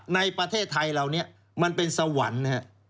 ในประเทศไทยเหล่านี้มันเป็นสวรรค์